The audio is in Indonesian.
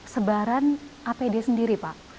sebaran apd sendiri pak